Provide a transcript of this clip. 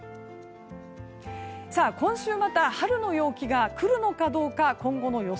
今週また春の陽気が来るのかどうか今後の予想